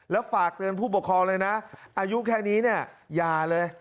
แล้วฝากเตือนผู้ปกครองเลยนะอายุแค่นี้เนี่ยอย่าเลย